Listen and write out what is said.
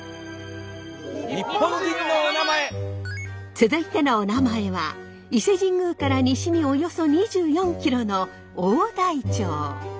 続いてのおなまえは伊勢神宮から西におよそ２４ｋｍの大台町。